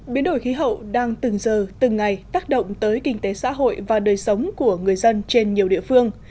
biến đổi khí hậu đang từng giờ từng ngày tác động tới kinh tế xã hội và đời sống của người dân trên nhiều địa phương